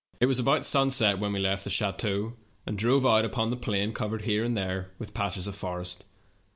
It was about sunset when we left the chateau and drove out tipon the plain, covered here and there with patches of forest.